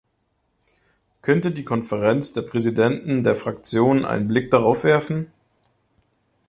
Könnte die Konferenz der Präsidenten der Fraktionen einen Blick darauf werfen?